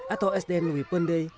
atau sdn lewi pendei